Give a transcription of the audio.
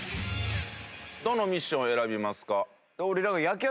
どのミッションを選びますか？